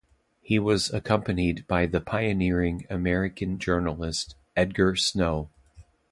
He was accompanied by the pioneering American journalist Edgar Snow.